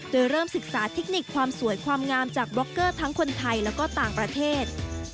โดยเริ่มศึกษาเทคนิคความสวยความงามจากบล็อกเกอร์ทั้งคนไทยแล้วก็ต่างประเทศ